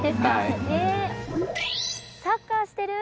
サッカーしてる！